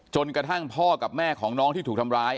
จนกระทั่งพ่อกับแม่ของน้องที่ถูกทำร้าย